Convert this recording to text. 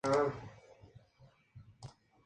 Por lo general se lleva a cabo por medios quirúrgicos.